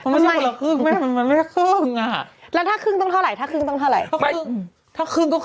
มันไม่ใช่คนละครึ่งมันไม่ได้ครึ่ง